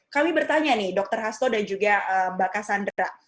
kami bertanya nih dokter hasto dan juga mbak cassandra